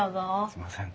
すいません。